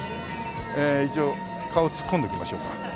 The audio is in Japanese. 一応顔突っ込んでおきましょうか。